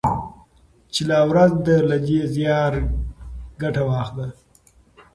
چي لا ورځ ده له دې زياره ګټه واخله